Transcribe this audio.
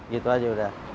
gitu aja udah